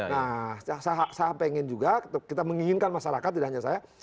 nah saya pengen juga kita menginginkan masyarakat tidak hanya saya